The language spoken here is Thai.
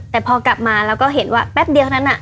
แต่พอกลับมาเราก็เห็นว่าแป๊บเดียวนั้น